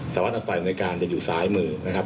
สวัสดิ์ศิวากรฝ่ายอำนวยการจะอยู่ซ้ายมือนะครับ